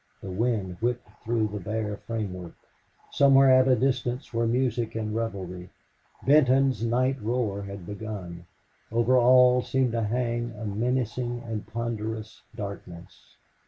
The wind whipped through the bare framework. Somewhere at a distance were music and revelry. Benton's night roar had begun. Over all seemed to hang a menacing and ponderous darkness.